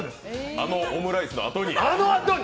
あのオムライスのあとに？